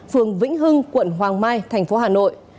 phường vĩnh hưng quận hoàng mai thành phố hà nội